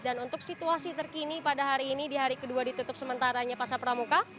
dan untuk situasi terkini pada hari ini di hari kedua ditutup sementaranya pasar pramuka